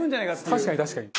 確かに確かに。